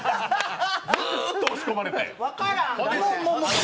ずーっと押し込まれて。